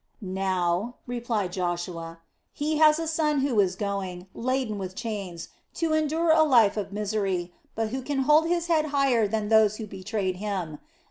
"Now," replied Joshua, "he has a son who is going, laden with chains, to endure a life of misery, but who can hold his head higher than those who betrayed him.